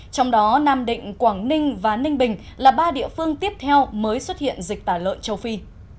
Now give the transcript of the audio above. trong đó nam định quảng ninh và ninh bình là ba địa phương tiếp theo mới xuất hiện dịch tả lợn châu phi